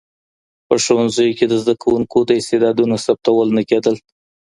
په ښوونځیو کي د زده کوونکو د استعدادونو ثبتول نه کيدل.